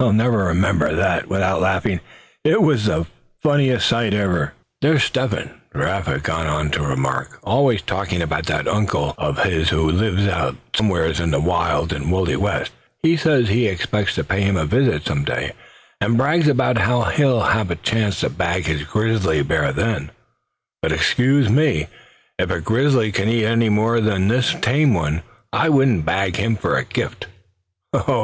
I'll never remember that without laughing. It was sure the funniest sight ever." "There's Step hen," Giraffe had gone on to remark, "always talking about that uncle of his who lives out somewhere in the wild and woolly west; he says he expects to pay him a visit some day, and brags about how he'll have a chance to bag his grizzly bear then; but excuse me, if a grizzly can eat any more than this tame one; I wouldn't bag him for a gift." "Oh!